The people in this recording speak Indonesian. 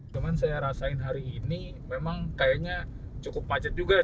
cuman saya rasain hari ini memang kayaknya cukup macet juga